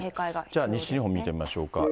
じゃあ西日本、見てみましょうか。